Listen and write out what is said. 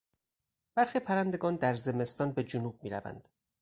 برخی پرندگان در زمستان به جنوب میروند.